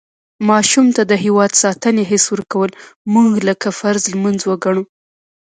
ماشوم ته د هېواد ساتنې حس ورکول مونږ لکه فرض لمونځ وګڼو.